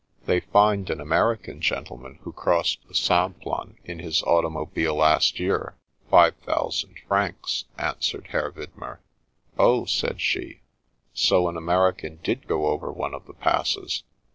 " They fined an American gentleman who crossed the Simplon in his automobile last year, five thou sand francs," answered Herr Widmer. " Oh 1 " said she. " So an American did go over one of the passes